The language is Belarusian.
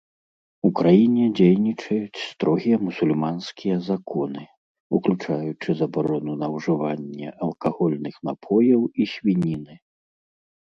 У краіне дзейнічаюць строгія мусульманскія законы, уключаючы забарону на ўжыванне алкагольных напояў і свініны.